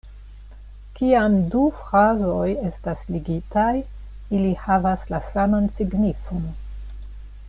Kiam du frazoj estas ligitaj, ili havas la saman signifon.